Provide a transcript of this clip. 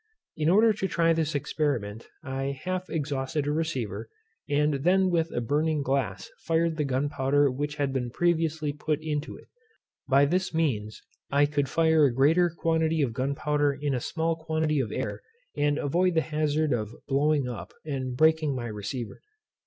In order to try this experiment I half exhausted a receiver, and then with a burning glass fired the gunpowder which had been previously put into it. By this means I could fire a greater quantity of gunpowder in a small quantity of air, and avoid the hazard of blowing up, and breaking my receiver.